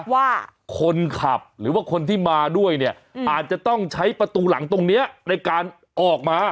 ว่าคนขับหรือว่าคนที่มาด้วยเนี่ยอาจจะต้องใช้ประตูหลังตรงนี้ในการออกมา